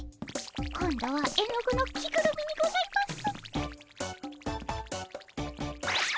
今度は絵の具の着ぐるみにございます。